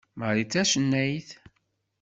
Marie d tacennayt?